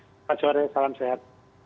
selamat sore salam sehat